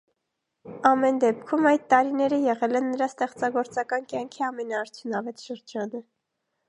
Ամեն դեպքում, այդ տարիները եղել են նրա ստեղծագործական կյանքի ամենաարդյունավետ շրջանը։